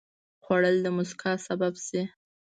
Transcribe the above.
خوړل د مسکا سبب شي